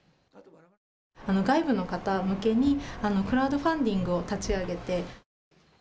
外部の方向けにクラウドファンディングを立ち上げて。